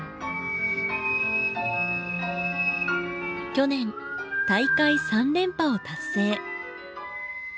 去年大会３連覇を達成。